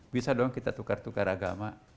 bisa dong kita tukar tukar agama